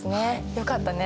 よかったね。